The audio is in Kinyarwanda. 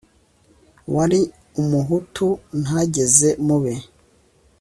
wari umuhutu ntageze mu be